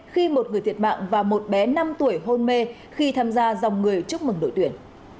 khi một người thiệt mạng và một bé năm tuổi hôn mê khi tham gia dòng người chúc mừng đội tuyển